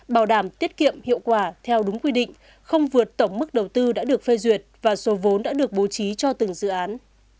bảo đảm tiết kiệm hiệu quả theo đúng quy định không vượt tổng mức đầu tư đã được phê duyệt và số vốn đã được bố trí cho từng dự án